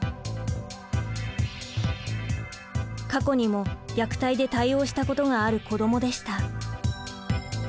過去にも虐待で対応したことがある子どもでした。